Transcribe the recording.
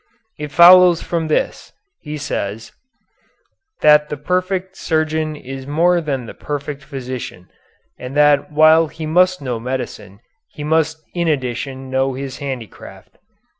"It follows from this," he says, "that the perfect surgeon is more than the perfect physician, and that while he must know medicine he must in addition know his handicraft."